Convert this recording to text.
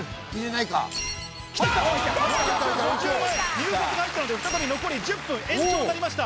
入札があったので再び残り１０分延長になりました。